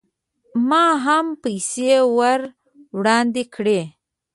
ما هم پیسې ور وړاندې کړې.